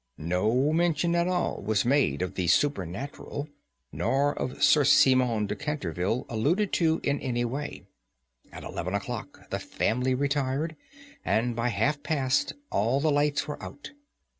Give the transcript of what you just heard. No mention at all was made of the supernatural, nor was Sir Simon de Canterville alluded to in any way. At eleven o'clock the family retired, and by half past all the lights were out.